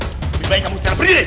lebih baik kamu sekarang berdiri